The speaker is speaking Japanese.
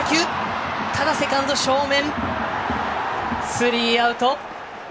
スリーアウト。